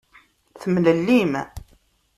Temlellim.